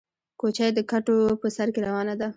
کوچۍ د کډو په سر کې روانه ده